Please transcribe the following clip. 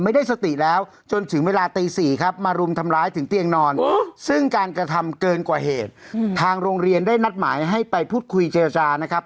กว่าเหตุอืมทางโรงเรียนได้นัดหมายให้ไปพูดคุยเจรจานะครับ